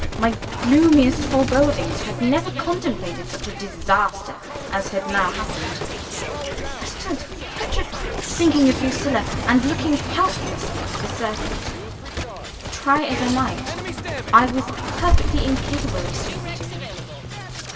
My gloomiest forebodings had never contemplated such a disaster as had now happened. I stood petrified, thinking of Lucilla, and looking helplessly at the servant. Try as I might, I was perfectly incapable of speaking to him.